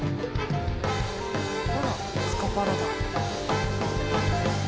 あらスカパラだ。